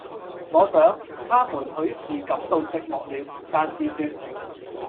我想，他們許是感到寂寞了，但是說：